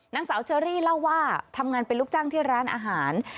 นางสาวเชอรี่เล่าว่าทำงานเป็นลูกจ้างที่ร้านอาหาร